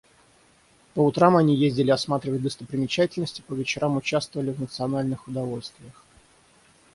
По утрам они ездили осматривать достопримечательности, по вечерам участвовали в национальных удовольствиях.